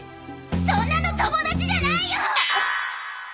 そんなの友達じゃないよ！